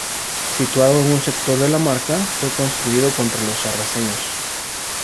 Situado en un sector de "la Marca", fue construido contra los sarracenos.